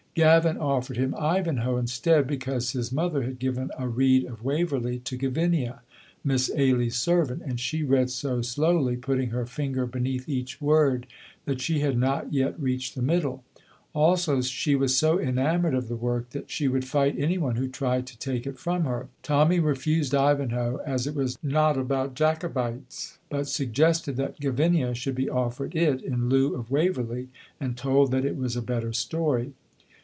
Gavin offered him "Ivanhoe" instead, because his mother had given a read of "Waverley" to Gavinia, Miss Ailie's servant, and she read so slowly, putting her finger beneath each word, that she had not yet reached the middle. Also, she was so enamoured of the work that she would fight anyone who tried to take it from her. Tommy refused "Ivanhoe," as it was not about Jacobites, but suggested that Gavinia should be offered it in lieu of "Waverley," and told that it was a better story.